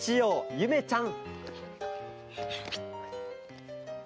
ゆめちゃん。